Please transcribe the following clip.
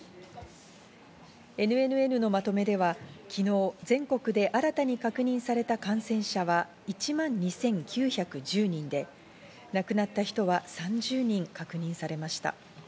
ＮＮＮのまとめでは昨日全国で新たに確認された感染者は１万２９１０人で、亡くなった人は３０人確認されました。